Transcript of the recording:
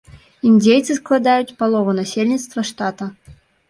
Індзейцы складаюць палову насельніцтва штата.